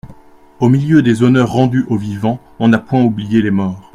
Au milieu des honneurs rendus aux vivants, on n'a point oublié les morts.